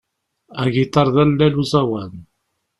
Agiṭar d allal uẓawan.